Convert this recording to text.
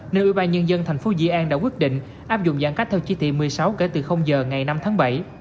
nên ủy ban nhân dân thành phố dĩ an đã quyết định áp dụng giãn cách theo chi tiệm một mươi sáu kể từ giờ ngày năm tháng bảy